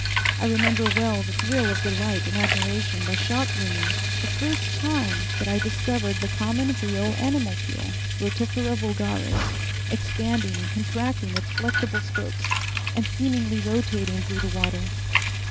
I remember well the thrill of delight and admiration that shot through me the first time that I discovered the common wheel animalcule (Rotifera vulgaris) expanding and contracting its flexible spokes and seemingly rotating through the water.